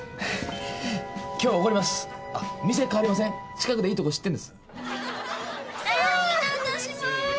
近くでいいとこ知ってるんです。